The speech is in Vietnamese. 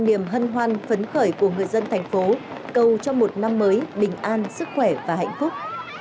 niềm hân hoan phấn khởi của người dân thành phố cầu cho một năm mới bình an sức khỏe và hạnh phúc